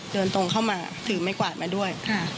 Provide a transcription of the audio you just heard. เดินตรงเข้ามาถือไม้กวาดมาด้วย